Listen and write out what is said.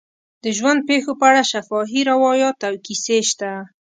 د ژوند پېښو په اړه شفاهي روایات او کیسې شته.